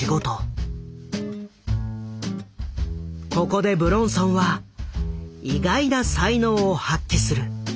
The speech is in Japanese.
ここで武論尊は意外な才能を発揮する。